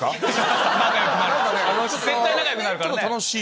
絶対仲良くなるからね。